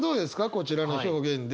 こちらの表現で。